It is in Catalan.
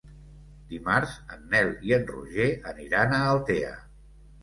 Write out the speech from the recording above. Dimarts en Nel i en Roger aniran a Altea.